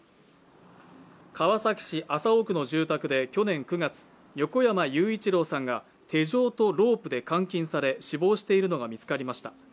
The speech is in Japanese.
川崎市麻生区の住宅で去年９月横山雄一郎さんが手錠とロープで監禁され死亡しているのが見つかりました。